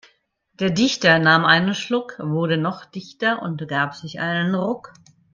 Der Dichter nahm einen Schluck, wurde noch dichter und gab sich einen Ruck.